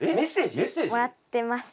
もらってます。